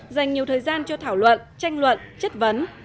dành nhiều thời gian cho thảo luận tranh luận chất vấn